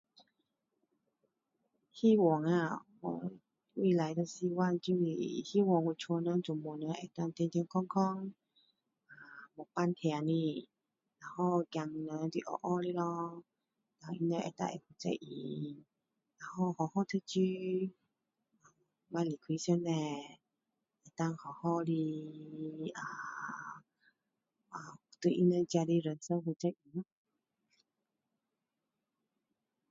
希望啊 ho 未来的希望就是希望我家的人全部的人会健健康康啊没病痛的然后孩子们就是乖乖的咯然后他们能够会负责任然后好好读书不要离开上帝能够好好的啊对他们的自己人生负责任咯啊